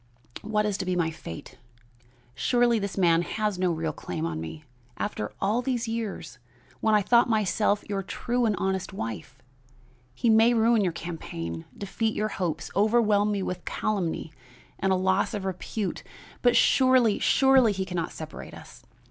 What is to be my fate? Surely this man has no real claim on me, after all these years, when I thought myself your true and honest wife. He may ruin your campaign, defeat your hopes, overwhelm me with calumny and a loss of repute, but surely, surely he can not separate us.